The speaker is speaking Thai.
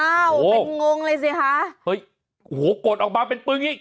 อ้าวโหเป็นงงเลยสิคะเฮ้ยโหกดออกมาเป็นปึ๊งนี่